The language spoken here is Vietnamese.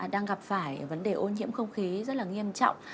đang gặp phải vấn đề ô nhiễm không khí rất là nghiêm trọng